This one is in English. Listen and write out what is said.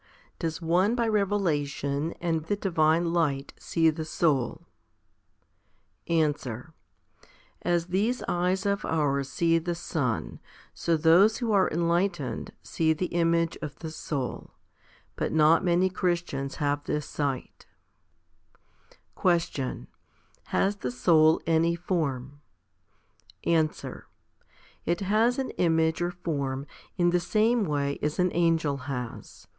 Does one by revelation and the divine light see the soul ? Answer. As these eyes of ours see the sun, so those who are enlightened see the image of the soul ; but not many Christians have this sight. 1 2 Cor. xii. 7. 64 FIFTY SPIRITUAL HOMILIES 7. Question. Has the soul any form ? Answer. It has an image or form in the same way as an angel has.